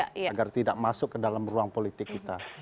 agar tidak masuk ke dalam ruang politik kita